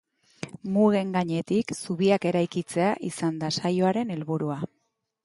Mugen gainetik, zubiak eraikitzea izan da saioaren helburua.